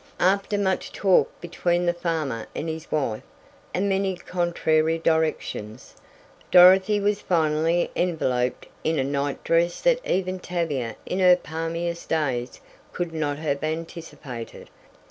After much talk between the farmer and his wife, and many contrary directions, Dorothy was finally enveloped in a nightdress that even Tavia in her palmiest days could not have anticipated.